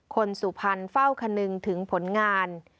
คนสุพรรณเฝ้าคณึงถึงผลงาน